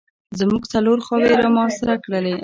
زموږ څلور خواوې یې را محاصره کړلې.